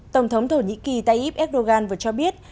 tổng thống thổ nhĩ kỳ tayyip erdogan vừa cho biết